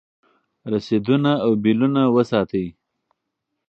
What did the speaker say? رسیدونه او بیلونه وساتئ.